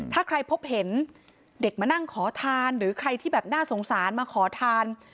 ถ้าใครพบเห็นเด็กมานั่งขอทานหรือใครที่แบบน่าสงสารมาขอทาน